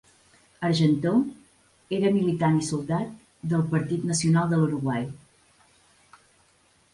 Argentó era militant i soldat del Partit Nacional de l'Uruguai.